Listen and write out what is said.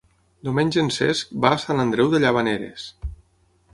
Diumenge en Cesc va a Sant Andreu de Llavaneres.